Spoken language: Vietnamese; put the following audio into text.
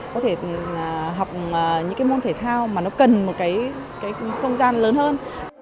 có thể học những cái môn thể thao mà nó cần một cái không gian lớn hơn